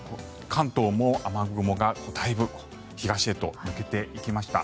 関東も雨雲がだいぶ東へと抜けていきました。